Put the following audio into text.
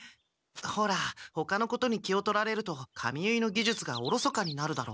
ほらほかのことに気を取られると髪結いのぎじゅつがおろそかになるだろ？